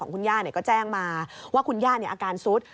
ของคุณญาติก็แจ้งมาว่าคุณญาติอาการซุด